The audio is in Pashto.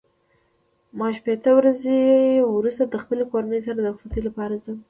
ما شپېته ورځې وروسته د خپل کورنۍ سره د رخصتۍ لپاره ځم.